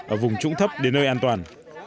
ở vùng trũng thấp đến nơi an toàn